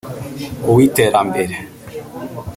uw’Iterambere